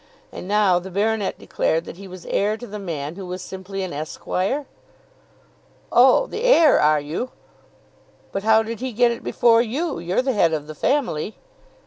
And now the baronet declared that he was heir to the man who was simply an Esquire. "Oh, the heir are you? But how did he get it before you? You're the head of the family?"